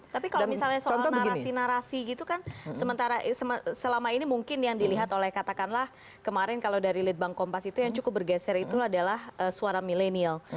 tapi kalau misalnya soal narasi narasi gitu kan sementara selama ini mungkin yang dilihat oleh katakanlah kemarin kalau dari litbang kompas itu yang cukup bergeser itu adalah suara milenial